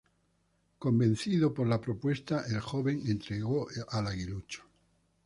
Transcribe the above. Convencido por la propuesta, el joven entregó al aguilucho.